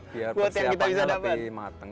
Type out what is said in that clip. biar persiapannya lebih matang